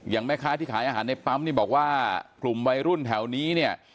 แม่ค้าที่ขายอาหารในปั๊มนี่บอกว่ากลุ่มวัยรุ่นแถวนี้เนี่ย